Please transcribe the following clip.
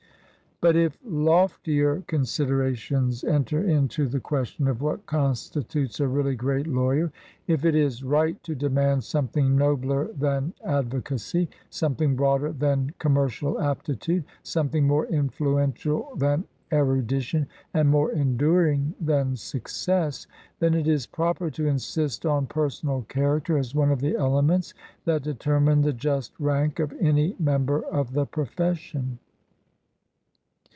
But if loftier considerations enter into the question of what constitutes a really great law yer, — if it is right to demand something nobler than advocacy, something broader than com mercial aptitude, something more influential than erudition and more enduring than success, — then it is proper to insist on personal character as one of the elements that determine the just rank of any member of the profession.